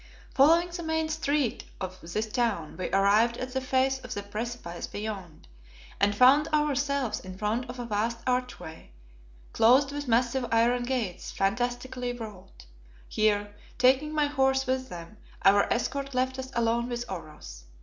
Following the main street of this town, we arrived at the face of the precipice beyond, and found ourselves in front of a vast archway, closed with massive iron gates fantastically wrought. Here, taking my horse with them, our escort left us alone with Oros.